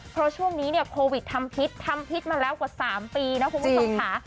เพราะช่วงนี้เนี่ยโควิดทำพิษทำพิษมาแล้วกว่า๓ปีนะคุณผู้ชมค่ะ